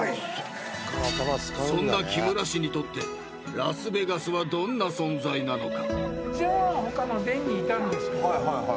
［そんな木村氏にとってラスベガスはどんな存在なのか？］